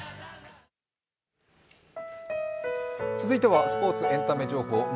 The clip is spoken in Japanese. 続いてはスポーツ・エンタメ情報。